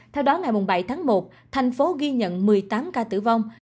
theo đó ngày bảy tháng một tp hcm ghi nhận một mươi tám ca tử vong